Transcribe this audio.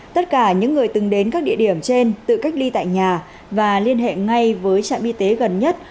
tất cả những người từng đến các địa điểm trên tự cách ly tại nhà và liên hệ ngay với trạm y tế gần nhất